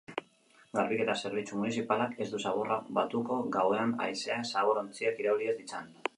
Garbiketa zerbitzu munizipalak ez du zaborra batuko gauean haizeak zabor-ontziak irauli ez ditzan.